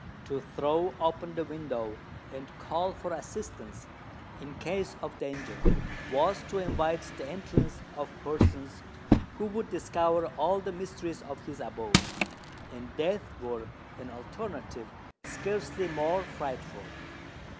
To throw open the window and call for assistance, in case of danger, was to invite the entrance of persons who would discover all the mysteries of his abode; and death were an alternative scarcely more frightful!